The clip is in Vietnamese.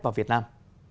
vào việt nam